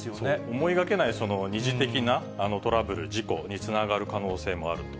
思いがけない二次的なトラブル、事故につながる可能性もあると。